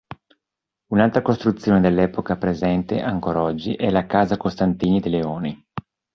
Un'altra costruzione dell'epoca presente ancor oggi è la Casa Costantini de' Leoni.